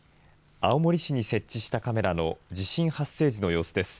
青森市に設置したカメラの地震発生時の様子です。